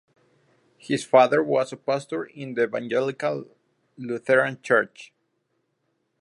His father was a pastor in the Evangelical Lutheran Church.